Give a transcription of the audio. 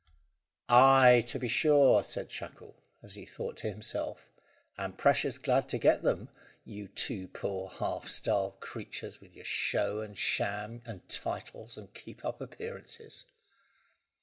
"Ay, to be sure," said Shackle, as he thought to himself "And precious glad to get them, you two poor half starved creatures, with your show and sham, and titles and keep up appearances."